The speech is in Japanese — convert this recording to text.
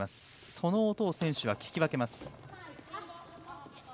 その音を選手は聞き分けます。